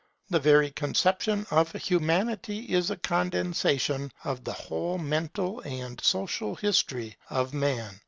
The very conception of Humanity is a condensation of the whole mental and social history of man.